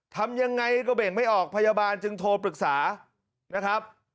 ทำยังไงก็เบ่งไม่ออกพยาบาลจึงโทรปรึกษานะครับ